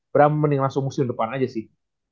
bram mending langsung musim depan aja sih